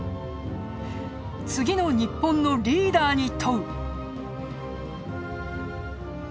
次の日本のリーダーに問う。